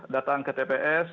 datang ke tps